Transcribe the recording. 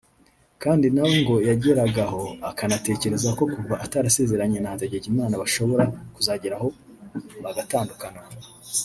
Kandi na we ngo yageragaho akanatekereza ko kuva atarasezeranye na Hategekimana bashobora kuzagera aho bagatandukana